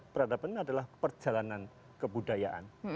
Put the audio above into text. peradaban ini adalah perjalanan kebudayaan